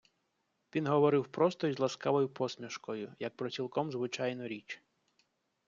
Він говорив просто й з ласкавою посмішкою, як про цілком звичайну річ.